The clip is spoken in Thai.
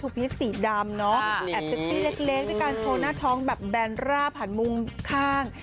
ทูพีซสีดำเนาะแอพเซ็กซี่เล็กให้การโชว์หน้าท้องแบบแบรนด์ราบหันมุมข้าง